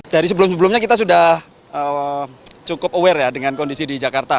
dari sebelum sebelumnya kita sudah cukup aware ya dengan kondisi di jakarta